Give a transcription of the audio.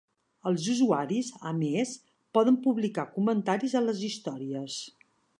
Els usuaris, a més, poden publicar comentaris a les històries.